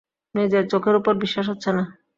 নিজের চোখের ওপর বিশ্বাস হচ্ছে না।